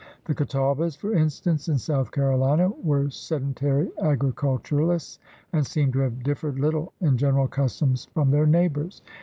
The Catawbas, for instance, in South Carolina were sedentary agriculturists and seem to have differed little in general customs from their neighbors.